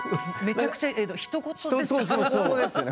めちゃくちゃひと事ですか？